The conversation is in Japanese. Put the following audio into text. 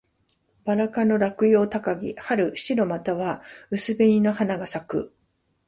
ばら科の落葉高木。春、白または薄紅の花が咲く。